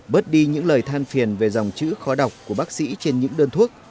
bớt đi những lời than phiền về dòng chữ khó đọc của bác sĩ trên những đơn thuốc